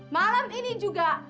malam ini juga